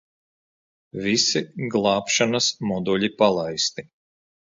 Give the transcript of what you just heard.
Visi glābšanas moduļi palaisti.